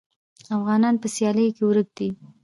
افغانان په سیالۍ کې ورک دي.